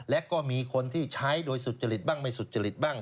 และก็มีคนที่ใช้โดยสุจริตบ้างไม่สุจริตบ้าง